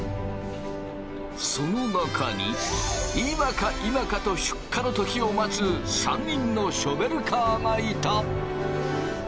その中に今か今かと出荷の時を待つ３人のショベルカーがいた！